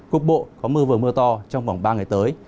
cục bộ có mưa vừa mưa to trong vòng ba ngày tới